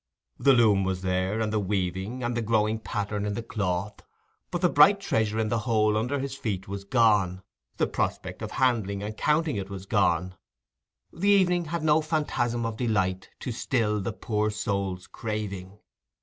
The loom was there, and the weaving, and the growing pattern in the cloth; but the bright treasure in the hole under his feet was gone; the prospect of handling and counting it was gone: the evening had no phantasm of delight to still the poor soul's craving.